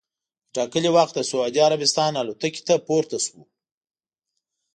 په ټا کلي وخت د سعودي عربستان الوتکې ته پورته سو.